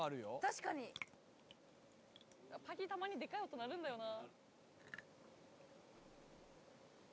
確かにパキッたまにでかい音鳴るんだよな